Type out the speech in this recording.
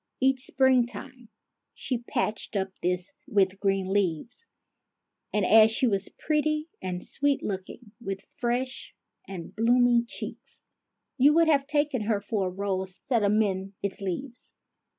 Each springtime she patched up this with green leaves ; and, as she was pretty and sweet looking, with fresh and blooming cheeks, you would have taken her for a rose set amid its leaves.